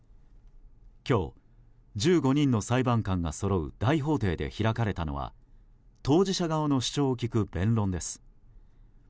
今日、１５人の裁判官がそろう大法廷で開かれたのは当事者側の主張を聞く弁論です。